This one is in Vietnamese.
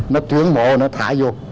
nó tuyển mộ nó thả vô